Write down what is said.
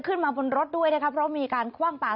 ขึ้นมาบนรถด้วยนะครับเพราะมีการคว่างปลา